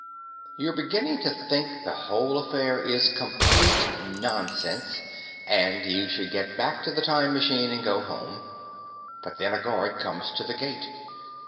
You're beginning to think the whole affair is complete nonsense, and you should get back to the time machine and go home. But then a guard comes to the gate.